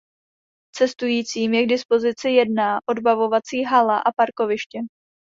Cestujícím je k dispozici jedna odbavovací hala a parkoviště.